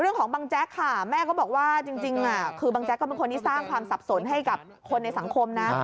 บางแจ๊กค่ะแม่ก็บอกว่าจริงคือบางแจ๊กก็เป็นคนที่สร้างความสับสนให้กับคนในสังคมนะ